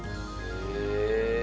へえ。